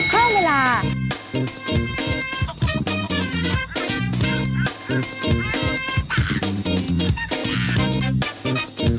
ค่อยเวลา